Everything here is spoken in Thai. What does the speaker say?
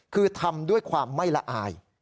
คือทำด้วยความไม่ละอาย